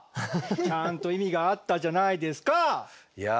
ちゃんと意味があったじゃないですカァ！